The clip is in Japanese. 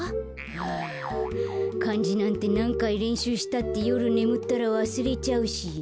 はあかんじなんてなんかいれんしゅうしたってよるねむったらわすれちゃうし。